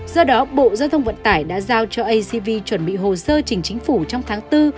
do đó bộ giao thông vận tải đã giao cho acv chuẩn bị hồ sơ chỉnh chính phủ trong tháng bốn